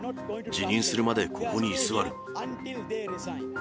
辞任するまでここに居座る。